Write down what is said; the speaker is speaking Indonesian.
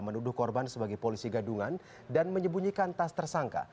menuduh korban sebagai polisi gadungan dan menyembunyikan tas tersangka